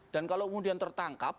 dan kalau kemudian tertangkap